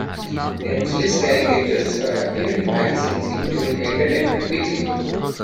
Emslie's caricatures have appeared in magazines including "Entertainment Weekly".